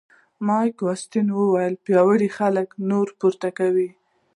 مایکل واټسن وایي پیاوړي خلک نور پورته کوي.